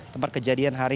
tempat kejadian hari